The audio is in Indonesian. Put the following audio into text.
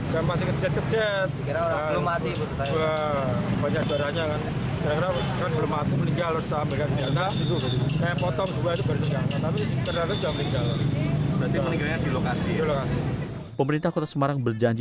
pemerintah kota semarang berjanji mencari penyelamatkan pohon tumbang